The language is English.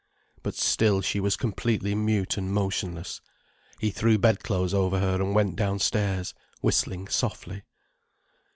But still she was completely mute and motionless. He threw bedclothes over her and went downstairs, whistling softly.